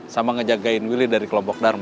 sama ngejagain willy dari kelompok dharma